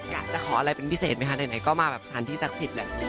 อยากจะขออะไรเป็นพิเศษไหมคะไหนก็มาแบบสถานที่ศักดิ์สิทธิ์แหละ